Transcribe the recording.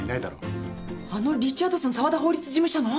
あのリチャードソン澤田法律事務所の！？